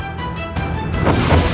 aku akan melakukan sesosek